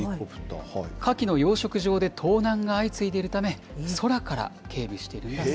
カキの養殖場で盗難が相次いでいるため、空から警備してるんだそ